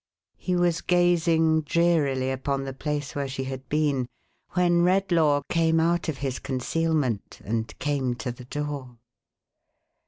He was gazing drearily upon the place where she had been, when Redlaw came out of his concealment, and came to the door.